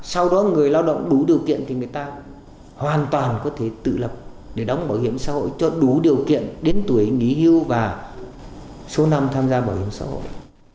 sau đó người lao động đủ điều kiện thì người ta hoàn toàn có thể tự lập để đóng bảo hiểm xã hội cho đủ điều kiện đến tuổi nghỉ hưu và số năm tham gia bảo hiểm xã hội